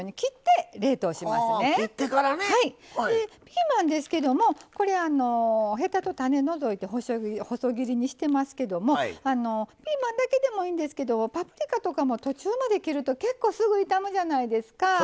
ピーマンですけどもヘタと種除いて細切りにしてますけどもピーマンだけでもいいんですけどパプリカとかも途中まで切ると結構すぐ傷むじゃないですか。